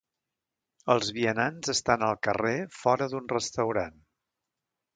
Els vianants estan al carrer fora d'un restaurant